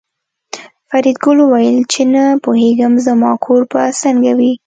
فریدګل وویل چې نه پوهېږم زما کور به څنګه وي